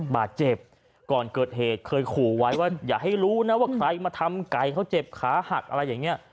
บาดเจ็บก่อนเกิดเหตุเคยขู่ไว้ว่าอย่าให้รู้นะว่าใครมาทำไก่เขาเจ็บขาหักอะไรอย่างนี้